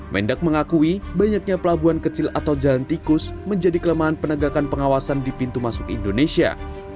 mendak mengakui banyaknya pelabuhan kecil atau jalan tikus menjadi kelemahan penegakan pengawasan di pintu masuk indonesia